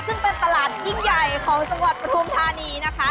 ซึ่งเป็นตลาดยิ่งใหญ่ของจังหวัดปฐุมธานีนะคะ